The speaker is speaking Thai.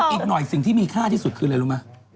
อีกหน่อยสิ่งที่มีค่าที่สุดคืออะไรรู้ไหม